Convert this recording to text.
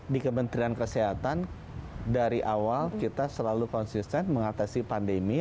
di kementerian kesehatan dari awal kita selalu konsisten mengatasi pandemi